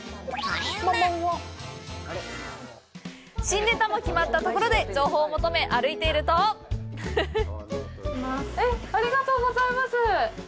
新ネタも決まったところで、情報を求め、歩いているとえっ、ありがとうございます！